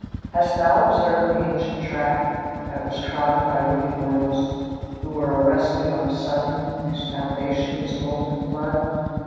"Hast thou observed the ancient tract, That was trodden by wicked mortals, Who were arrested on a sudden, Whose foundation is a molten flood?